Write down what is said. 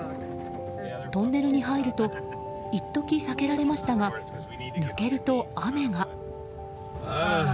トンネルに入ると一時、避けられましたが抜けると、雨が。